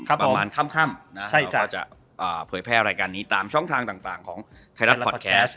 ประมาณค่ำเราจะเผยแพร่รายการนี้ตามช่องทางต่างของไทยรัฐพอดแคสต์